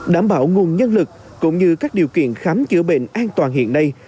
đảm bảo nguồn nhân lực cũng như các điều kiện khám chữa bệnh an toàn hiện nay